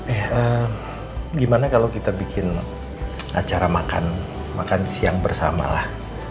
eh gimana kalau kita bikin acara makan makan siang bersama lah